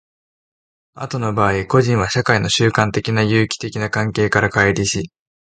後の場合、個人は社会の習慣的な有機的な関係から乖離し、